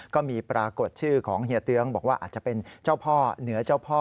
ก็มีปรากฏชื่อของเฮียเตื้องบอกว่าอาจจะเป็นเจ้าพ่อเหนือเจ้าพ่อ